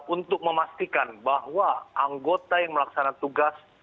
untuk memastikan bahwa anggota yang melaksanakan tugas